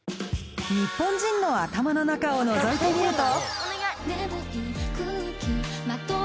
ニッポン人の頭の中をのぞいてみると